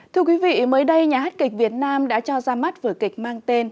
thưa quý vị mới đây nhà hát kịch việt nam đã cho ra mắt vở kịch mang tên